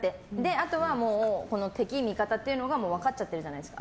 あとはもう敵味方っていうのがもう分かっちゃってるじゃないですか。